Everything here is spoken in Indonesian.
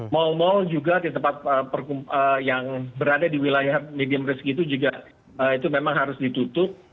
mal mal juga di tempat yang berada di wilayah medium rizky itu juga itu memang harus ditutup